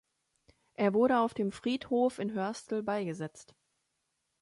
Er wurde auf dem Friedhof in Hörstel beigesetzt.